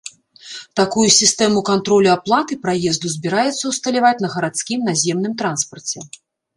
Такую сістэму кантролю аплаты праезду збіраюцца ўсталяваць на гарадскім наземным транспарце.